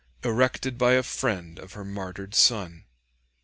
Erected by a friend of her martyred son, 1879."